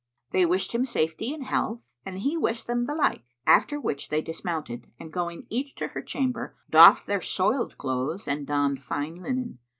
They wished him safety and health and he wished them the like; after which they dismounted and going each to her chamber doffed their soiled clothes and donned fine linen.